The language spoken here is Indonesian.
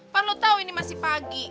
pak lo tau masih pagi